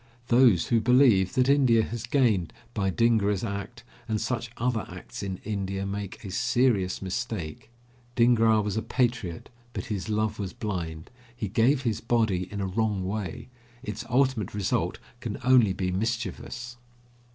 Those who believe that India has gained by Dhingra's act and such other acts in India make a serious mistake. Dhingra was a patriot, but his love was blind. He gave his body in a wrong way; its ultimate result can only be mischievous.